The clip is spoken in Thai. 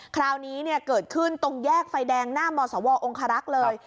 คราวนี้เกิดขึ้นตรงแยกไฟแดงหน้ามสวองคารักษ์เลย